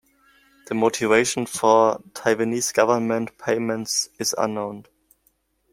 The motivation for the Taiwanese government payments is unknown.